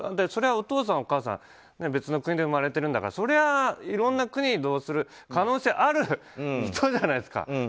それは、お父さん、お母さん別の国で生まれているんだからそれはいろんな国に移動する可能性がある人じゃないですか。